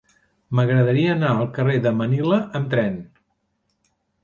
M'agradaria anar al carrer de Manila amb tren.